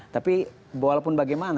tapi walaupun bagiannya